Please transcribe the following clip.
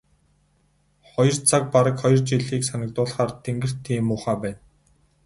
Хоёр цаг бараг хоёр жилийг санагдуулахаар тэнгэр тийм муухай байна.